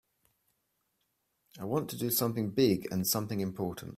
I want to do something big and something important.